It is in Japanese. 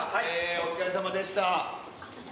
お疲れさまでした。